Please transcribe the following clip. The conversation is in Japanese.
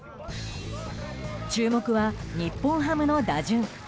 注目は日本ハムの打順。